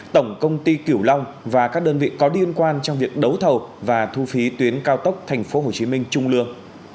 tổng công ty kiểu long và các đơn vị có liên quan trong việc đấu thầu và thu phí tuyến cao tốc tp hcm trung lương